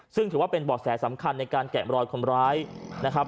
ซึ่งถือว่าเป็นบ่อแสสำคัญในการแกะรอยคนร้ายนะครับ